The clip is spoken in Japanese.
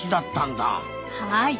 はい。